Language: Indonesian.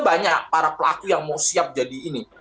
banyak para pelaku yang mau siap jadi ini